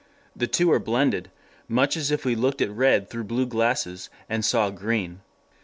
The two are blended, much as if we looked at red through blue glasses and saw green.